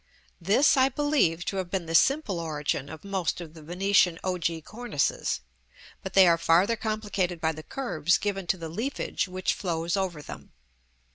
This I believe to have been the simple origin of most of the Venetian ogee cornices; but they are farther complicated by the curves given to the leafage which flows over them.